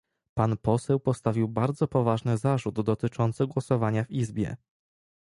Pan poseł postawił bardzo poważny zarzut dotyczący głosowania w Izbie